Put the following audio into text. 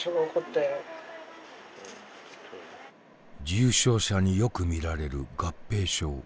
重症者によく見られる合併症。